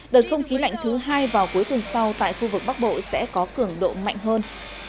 đợt không khí lạnh thứ hai vào cuối tuần sau tại khu vực bắc bộ sẽ có cường độ mạnh hơn